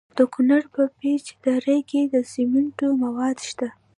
د کونړ په پیچ دره کې د سمنټو مواد شته.